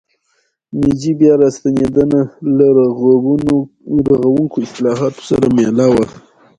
میجي بیا راستنېدنه له رغوونکو اصلاحاتو سره مله وه.